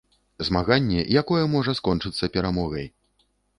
Змаганне, якое можа скончыцца перамогай!